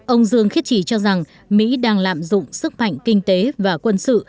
ông dương khiết trì cho rằng mỹ đang lạm dụng sức mạnh kinh tế và quân sự